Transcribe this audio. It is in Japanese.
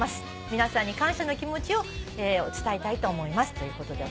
「皆さんに感謝の気持ちを伝えたいと思います」ということで。